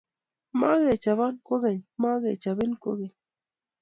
Mokechobon kokeny mokechobin kokeny?